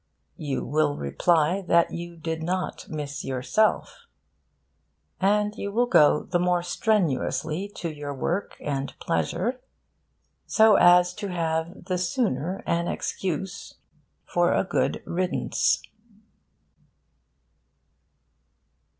You will reply that you did not miss yourself. And you will go the more strenuously to your work and pleasure, so as to have the sooner an excuse for a good riddance.